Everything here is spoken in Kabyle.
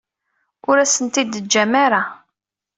Ur asen-tent-id-teǧǧam ara.